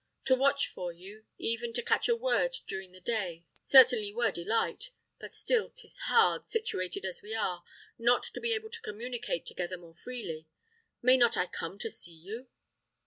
To watch for you, even to catch a word during the day, certainly were delight; but still 'tis hard, situated as we are, not to be able to communicate together more freely. May not I come to see you?"